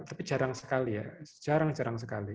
tapi jarang sekali ya jarang jarang sekali